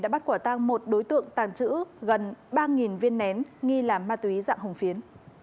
bắt quả tăng một đối tượng tàng trữ gần ba viên nén nghi làm ma túy dạng hồng phiến